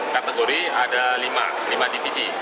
kategori ada lima divisi